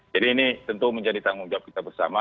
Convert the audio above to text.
jadi ini tentu menjadi tanggung jawab kita bersama